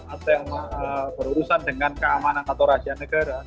atau yang berurusan dengan keamanan atau rahasia negara